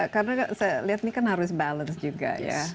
karena saya lihat ini kan harus balance juga ya